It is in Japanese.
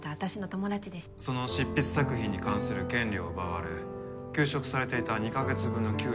その執筆作品に関する権利を奪われ休職されていた２カ月分の給与